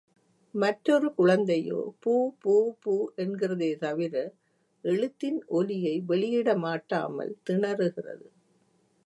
மற்றொரு குழந்தையோ பூ பூ பூ என்கிறதே தவிர எழுத்தின் ஒலியை வெளியிட மாட்டாமல் திணறுகிறது.